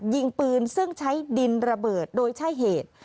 ยิงปืนซึ่งใช้ดินระเบิดโดยใช่เหตุ